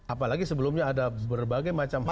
apalagi sebelumnya ada berbagai macam hal